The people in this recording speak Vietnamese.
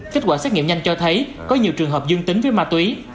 kết quả xét nghiệm nhanh cho thấy có nhiều trường hợp dương tính với ma túy